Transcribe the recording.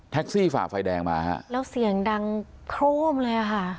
ฝ่าไฟแดงมาฮะแล้วเสียงดังโครมเลยอ่ะค่ะ